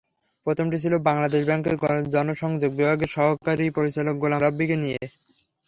প্রথমটি ছিল বাংলাদেশ ব্যাংকের জনসংযোগ বিভাগের সহকারী পরিচালক গোলাম রাব্বিকে নিয়ে।